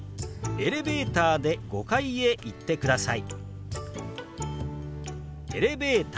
エレベーターで５階へ行ってください。